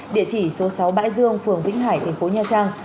địa chỉ số sáu bãi dương phường vĩnh hải tp nha trang